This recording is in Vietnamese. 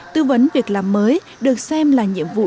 tư vấn việc làm mới được xem là nhiệm vụ